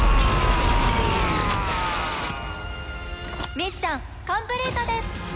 ミッションコンプリートです！